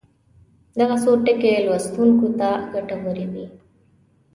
دغه څو ټکي لوستونکو ته ګټورې وي.